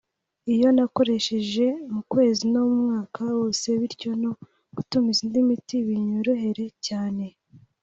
iyo nakoresheje mu kwezi no mu mwaka wose bityo no gutumiza indi miti binyorohere cyane